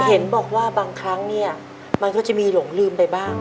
เห็นบอกว่าบางครั้งเนี่ยมันก็จะมีหลงลืมไปบ้าง